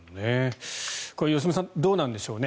これ、良純さんどうなんでしょうね。